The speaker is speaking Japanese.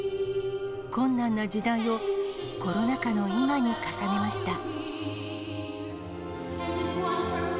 困難な時代をコロナ禍の今に重ねました。